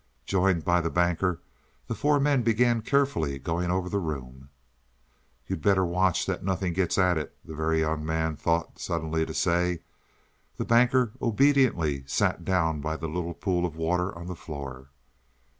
Joined by the Banker, the four men began carefully going over the room. "You'd better watch that nothing gets at it," the Very Young Man thought suddenly to say. The Banker obediently sat down by the little pool of water on the floor.